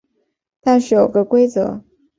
但是有个规则